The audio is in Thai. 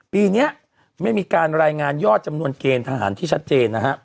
ปีนี้ไม่มีการรายงานยอดจำนวนเกณฑ์ทหารที่ชัดเจนนะฮะ